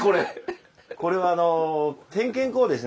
これはあの点検口ですね。